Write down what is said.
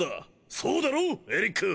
そうだろエリック！